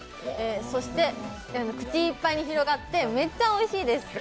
そして口いっぱいに広がってめっちゃおいしいです。